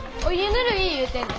ぬるい言うてんで。